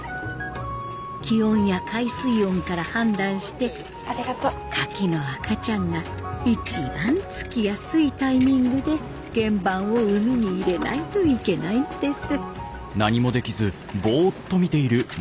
気温や海水温から判断してカキの赤ちゃんが一番つきやすいタイミングで原盤を海に入れないといけないんです。